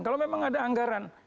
kalau memang ada anggaran